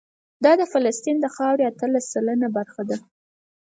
دا د فلسطین د خاورې اتلس سلنه برخه ده.